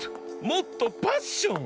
もっとパッション！